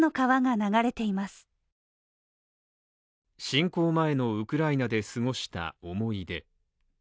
侵攻前のウクライナで過ごした思い出。